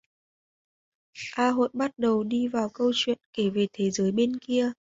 A Hội bắt đầu đi vào câu chuyện kể về thế giời bên kia